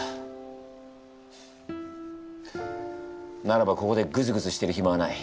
ならばここでグズグズしてるひまはない。